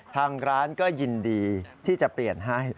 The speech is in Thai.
ทางร้านก็ยินดีที่จะเปลี่ยนให้